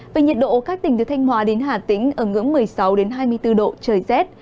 về nhiệt độ các tỉnh từ thanh hòa đến hà tĩnh ở ngưỡng một mươi sáu hai mươi bốn độ trời rét